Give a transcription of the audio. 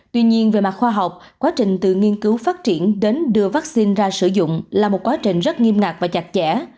tuy nhiên về mặt khoa học quá trình từ nghiên cứu phát triển đến đưa vaccine ra sử dụng là một quá trình rất nghiêm ngạc và chặt chẽ